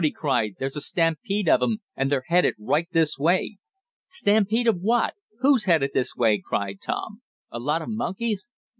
he cried. "There's a stampede of 'em, and they're headed right this way!" "Stampede of what? Who's headed this way?" cried Tom. "A lot of monkeys?"